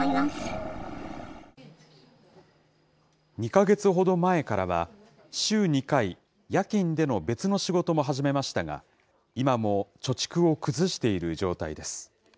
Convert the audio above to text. ２か月ほど前からは、週２回、夜勤での別の仕事も始めましたが、今も貯蓄を崩している状態です。